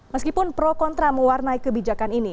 meskipun pro kontra mewarnai kebijakan ini